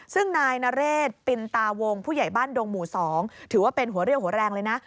ซึ่งนายนเรศปินตาวงผู้ใหญ่บ้านดงหมู่๒ถือว่าเป็นหัวเรี่ยวหัวแรงเลยนะ